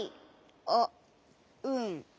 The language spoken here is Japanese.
あっうん。